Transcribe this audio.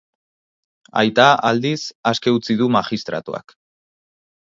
Aita, aldiz, aske utzi du magistratuak.